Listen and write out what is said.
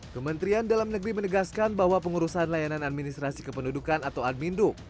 kementerian dalam negeri menegaskan bahwa pengurusan layanan administrasi kependudukan atau adminduk